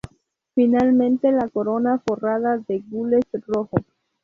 Finalmente la corona forrada de gules rojo.